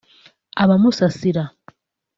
abamusasira